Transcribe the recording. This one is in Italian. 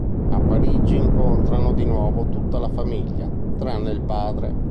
A Parigi incontrano di nuovo tutta la famiglia, tranne il padre.